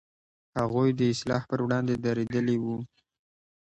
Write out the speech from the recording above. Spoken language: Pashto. هغوی د اصلاح پر وړاندې درېدلي و.